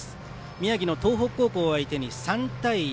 宮城の東北高校を相手に３対１。